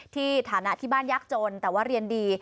ฐานะที่บ้านยากจนแต่ว่าเรียนดี